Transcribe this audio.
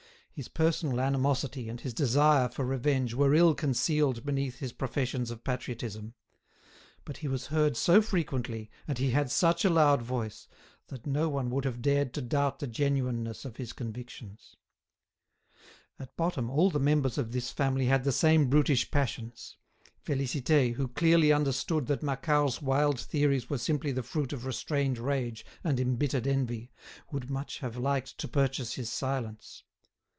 His personal animosity and his desire for revenge were ill concealed beneath his professions of patriotism; but he was heard so frequently, and he had such a loud voice, that no one would have dared to doubt the genuineness of his convictions. At bottom, all the members of this family had the same brutish passions. Félicité, who clearly understood that Macquart's wild theories were simply the fruit of restrained rage and embittered envy, would much have liked to purchase his silence.